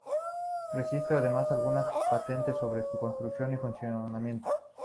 Registró además algunas patentes sobre su construcción y funcionamiento.